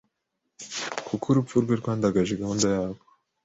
kuko urupfu rwe rwandagaje gahunda yabo